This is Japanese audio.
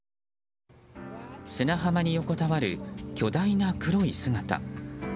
砂浜に横たわる巨大な黒い姿。